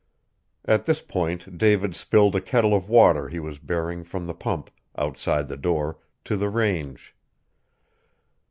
At this point David spilled a kettle of water he was bearing from the pump, outside the door, to the range.